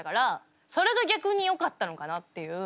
それが逆によかったのかなっていう。